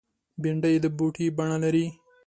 بېنډۍ د بوټي بڼه لري